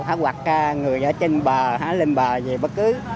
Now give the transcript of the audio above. hoặc người ở trên bờ lên bờ gì bất cứ